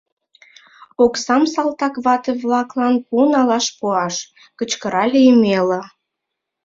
— Оксам салтак вате-влаклан пу налаш пуаш! — кычкырале Емела.